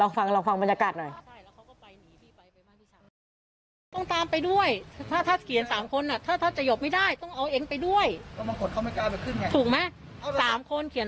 ฟังลองฟังบรรยากาศหน่อย